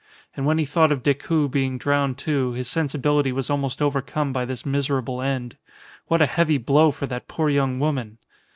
And when he thought of Decoud being drowned, too, his sensibility was almost overcome by this miserable end. What a heavy blow for that poor young woman!